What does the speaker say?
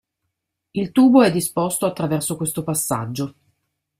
Il tubo è disposto attraverso questo passaggio.